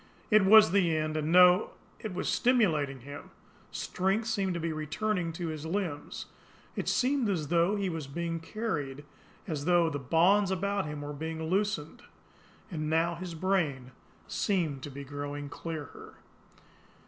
It was the end, and no! It was STIMULATING him! Strength seemed to be returning to his limbs; it seemed as though he were being carried, as though the bonds about him were being loosened; and now his brain seemed to be growing clearer.